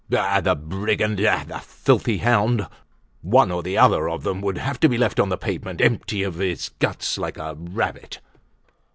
Ah! the brigand! Ah! the filthy hound! One or the other of them would have to be left on the pavement, emptied of his guts like a rabbit.